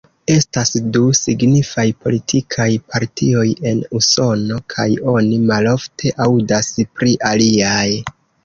Estas du signifaj politikaj partioj en Usono kaj oni malofte aŭdas pri aliaj.